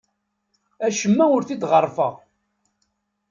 Acemma ur t-id-ɣerrfeɣ.